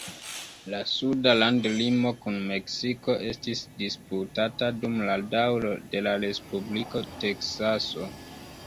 La suda landlimo kun Meksiko estis disputata dum la daŭro de la Respubliko Teksaso.